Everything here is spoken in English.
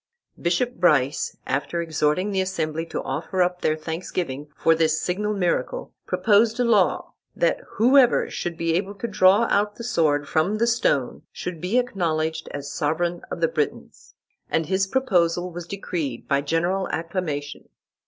Bishop Brice, after exhorting the assembly to offer up their thanksgiving for this signal miracle, proposed a law, that whoever should be able to draw out the sword from the stone, should be acknowledged as sovereign of the Britons; and his proposal was decreed by general acclamation.